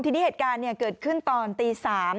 ทีนี้เหตุการณ์เกิดขึ้นตอนตี๓